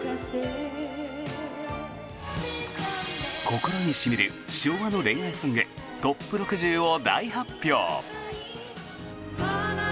心に染みる昭和の恋愛ソングトップ６０を大発表！